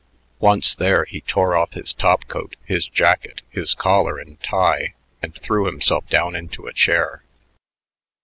Once there, he tore off his top coat, his jacket, his collar and tie, and threw himself down into a chair.